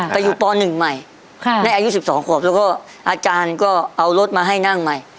ไปอยู่ป๑ใหม่ได้อายุ๑๒ขวบแล้วก็อาจารย์ก็เอารถมาให้นั่งใหม่